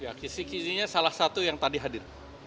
ya kisik kisiknya salah satu yang tadi hadir